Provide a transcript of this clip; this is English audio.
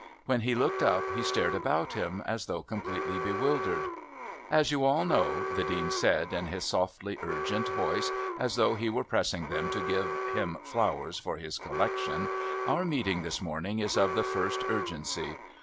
When he looked up he stared about him as though completely bewildered. "As you all know," the Dean said in his softly urgent voice, as though he were pressing them to give him flowers for his collection, "our meeting this morning is of the first urgency.